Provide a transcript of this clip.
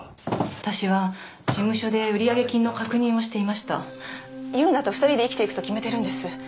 私は事務所で売り上げ金の確認をしていました優奈と２人で生きていくと決めてるんです